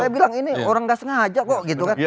saya bilang ini orang nggak sengaja kok gitu kan